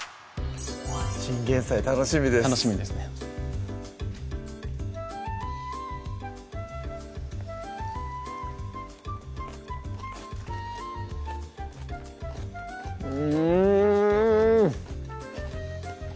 チンゲン菜楽しみです楽しみですねうん！